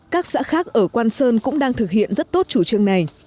các xã khác ở quang sơn cũng đang thực hiện rất tốt chủ trương này